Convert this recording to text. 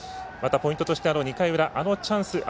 ポイントとして２回裏、あのチャンスあ